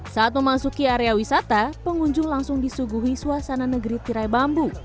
saat memasuki area wisata pengunjung langsung disuguhi suasana negeri tirai bambu